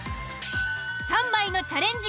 ３枚のチャレンジ